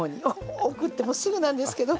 奥ってもうすぐなんですけど。